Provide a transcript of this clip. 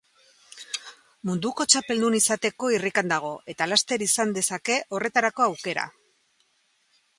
Munduko txapeldun izateko irrikan dago, eta laster izan dezake horretarako aukera.